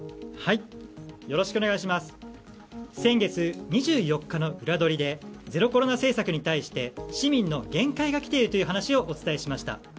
先月２４日のウラどりでゼロコロナ政策に対して市民の限界がきているという話をお伝えしました。